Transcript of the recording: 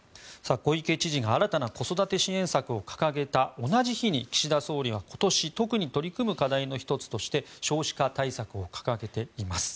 小池知事が新たな子育て支援策を掲げた同じ日に岸田総理は今年特に取り組む課題の１つとして少子化対策を掲げています。